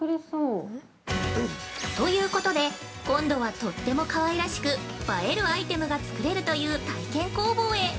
◆ということで今度は、とってもかわいらしく、映えるアイテムが作れるという体験工房へ。